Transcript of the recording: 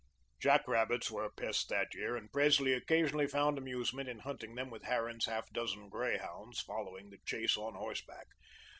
Jack rabbits were a pest that year and Presley occasionally found amusement in hunting them with Harran's half dozen greyhounds, following the chase on horseback.